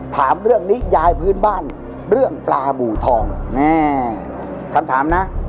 ถามเรื่องนี้ยายพื้นบ้านเรื่องปลาบูทองแม่คำถามนะ